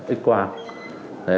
thế nhưng mà